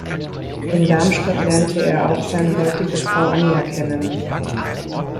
In Darmstadt lernte er auch seine heutige Frau Anja kennen.